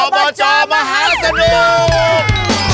บจมหาสนุก